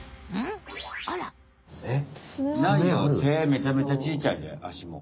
めちゃめちゃちいちゃいであしも。